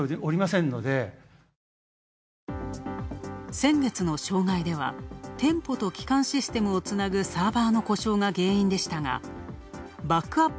先月の障害では、店舗と基幹システムをつなぐサーバーの故障が原因でしたがバックアップ